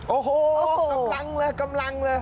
โอ้โหกำลังเลย